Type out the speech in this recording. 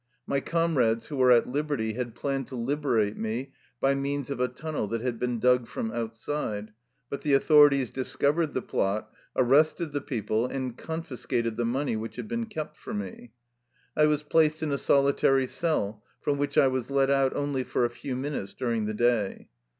My comrades who were at liberty had planned to liberate me by means of a tunnel that had been dug from outside, but the au thorities discovered the plot, arrested the peo ple, and confiscated the money which had been kept for me. I was placed in a solitary cell, from which I was let out only for a few minutes during the day.